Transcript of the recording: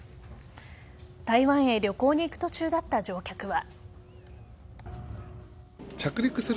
台湾へ旅行に行く途中だった乗客は。